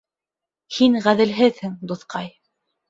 Һин ғәҙелһеҙһең, дуҫҡай.